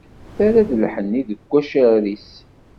Terra-d lḥenni, deg wacaren-is.